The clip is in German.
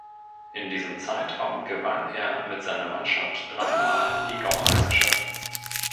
In diesem Zeitraum gewann er mit seiner Mannschaft dreimal die Gaumeisterschaft.